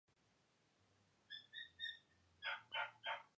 La versión de "Showdown" para el álbum se escuchaba durante el juego.